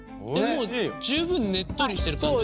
十分ねっとりしてる感じ。